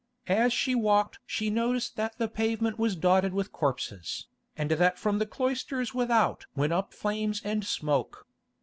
As she walked she noticed that the pavement was dotted with corpses, and that from the cloisters without went up flames and smoke.